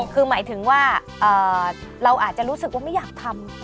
คือหมายถึงว่าเราอาจจะรู้สึกว่าไม่อยากทำ